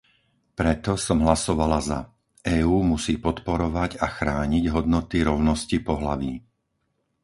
Preto som hlasovala za. EÚ musí podporovať a chrániť hodnoty rovnosti pohlaví.